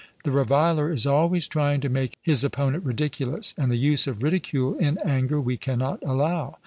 The reviler is always trying to make his opponent ridiculous; and the use of ridicule in anger we cannot allow.